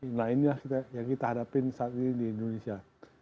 nah inilah yang kita hadapin saat ini di indonesia